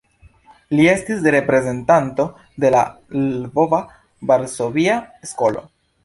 Li estis reprezentanto de Lvova-Varsovia skolo.